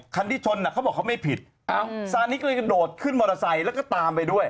คันที่ชนอ่ะเขาบอกเขาไม่ผิดอ้าวซานิก็เลยกระโดดขึ้นมอเตอร์ไซค์แล้วก็ตามไปด้วย